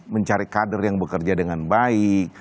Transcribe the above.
mencari kader yang bekerja dengan baik